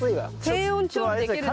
低温調理できるじゃん。